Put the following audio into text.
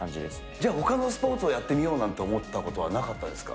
じゃあ、ほかのスポーツをやってみようなんて思ったことはなかったですか？